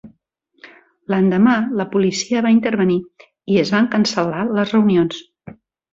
L'endemà la policia va intervenir i es van cancel·lar les reunions.